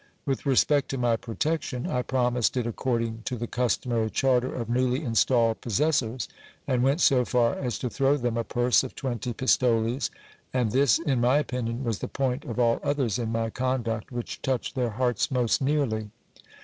With respect to my protection, I promised it according to the customary charter of newly installed possessors ; and went so far as to throw them a purse of twenty pistoles : and this, in my opinion, was the point of all others in my conduct which touched their hearts most nearly.